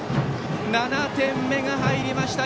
７点目が入りました。